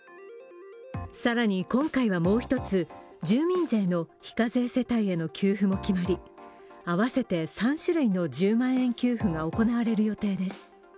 更に、今回はもう一つ、住民税の非課税世帯への給付も決まりあわせて３種類の１０万円給付が行われる予定です。